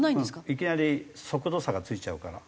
いきなり速度差がついちゃうから。